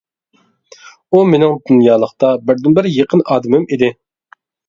ئۇ مېنىڭ دۇنيالىقتا بىردىنبىر يېقىن ئادىمىم ئىدى.